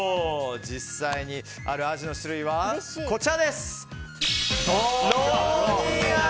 実際にあるアジの種類はこちら。